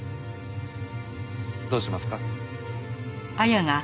どうしますか？